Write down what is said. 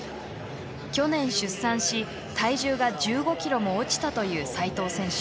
去年出産し体重が１５ｋｇも落ちたという齋藤選手。